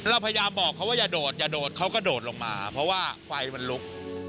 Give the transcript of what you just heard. เราพยายามบอกเขาว่าอย่าโดดอย่าโดดเขาก็โดดลงมาเพราะว่าไฟมันลุก